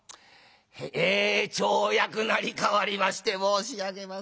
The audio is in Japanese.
え町役成り代わりまして申し上げます。